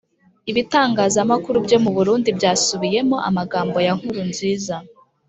ibitangazamakuru byo mu burundi byasubiyemo amagambo ya nkurunziza